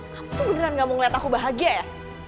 kamu tuh beneran gak mau ngeliat aku bahagia ya